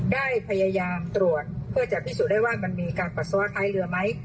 ได้พยายามตรวจเพื่อจะพิสูจน์ได้ว่ามันมีการปัสสาวะท้ายเรือไหม